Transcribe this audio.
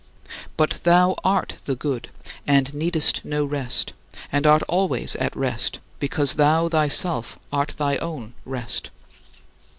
But thou art the Good, and needest no rest, and art always at rest, because thou thyself art thy own rest.